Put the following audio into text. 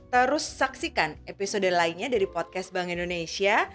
terus saksikan episode lainnya dari podcast bank indonesia